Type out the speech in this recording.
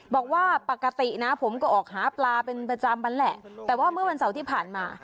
บอกว่าปกตินะผมก็ออกหาปลาเป็นประจำมันแหละแต่ว่าเมื่อวันเสาร์ที่ผ่านมา